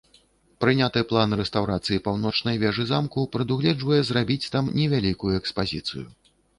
Прыняты план рэстаўрацыі паўночнай вежы замку прадугледжвае зрабіць там невялікую экспазіцыю.